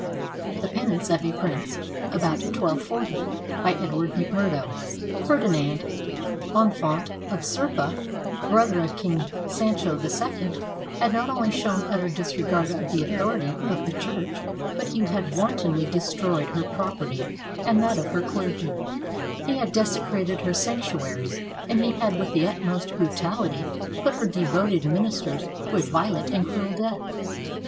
THE PENANCE OF A PRINCE [About 1240] BY EDWARD McMURDO [Ferdinand, Infante of Serpa, brother of King Sancho II, had not only shown utter disregard of the authority of the Church, but he had wantonly destroyed her property and that of her clergy, he had desecrated her sanctuaries, and he had with the utmost brutality put her devoted ministers to a violent and cruel death.